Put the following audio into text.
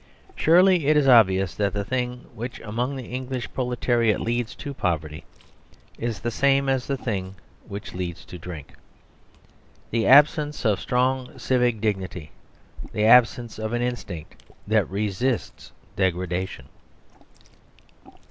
Surely it is obvious that the thing which among the English proletariat leads to poverty is the same as the thing which leads to drink; the absence of strong civic dignity, the absence of an instinct that resists degradation.